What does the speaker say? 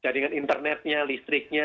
dengan internetnya listriknya